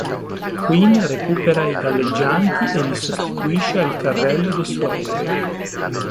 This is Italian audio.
Quinn recupera i galleggianti e li sostituisce al carrello del suo aereo.